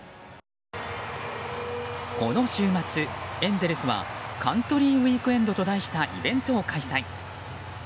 この週末、エンゼルスはカントリーウイークエンドと題したイベントを開催。